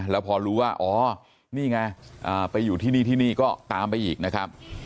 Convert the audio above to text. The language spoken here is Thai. แล้วพอรู้ว่าอ๋อนี่ไงไปอยู่ที่นี่ที่นี่ก็ตามไปอีกนะครับ